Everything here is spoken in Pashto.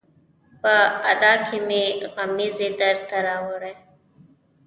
په ادا کې مې غمزې درته راوړي